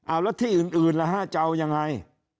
อ้าวแล้วที่อื่นจะเอายังไง